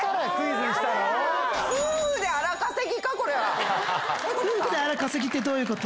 「夫婦で荒稼ぎ」ってどういうこと？